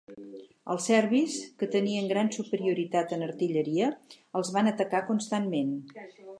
Els serbis, que tenien gran superioritat en artilleria, els van atacar constantment.